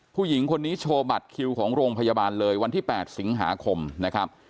ผู้หญิงคนนี้โชว์บัตรคิวของโรงพยาบาลเลยวันที่๘สิงหาคมนะครับ